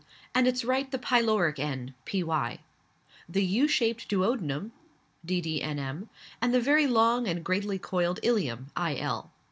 and its right the pyloric end (py.); the U shaped duodenum (ddnm.) and the very long and greatly coiled ileum (il.).